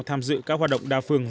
tham dự các hoạt động đa phương